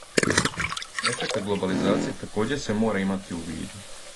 Ефекат глобализације такође се мора имати у виду.